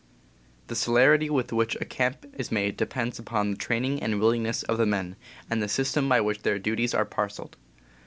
The celerity with which a camp is made depends upon the training and willingness of the men, and the system _^,. by which their duties are parceled.